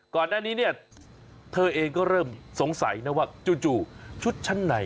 ก่อนแน่นี้นี่เธอเองก็เริ่มสงสัยนะว่า